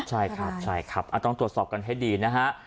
ใช่ครับใช่ครับต้องตรวจสอบกันให้ดีนะฮะ